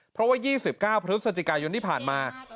เพราะว่า๒๙พฤศจิกายนที่ผ่านมา